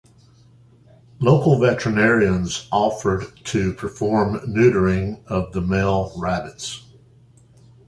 Local veterinarians offered to perform neutering of the male rabbits.